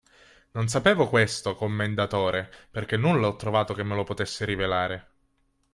Non sapevo questo, commendatore, perché nulla ho trovato che me lo potesse rivelare;